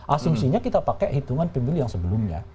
asumsinya kita pakai hitungan pemilu yang sebelumnya